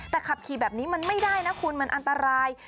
แต่ขับขี่แบบนี้มันไม่ได้นะคุณมันอันตราย